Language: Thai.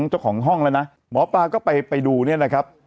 เจ้าของห้องแล้วนะหมอปลาก็ไปดูเนี่ยนะครับ